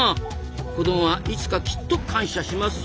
子どもはいつかきっと感謝しますぞ。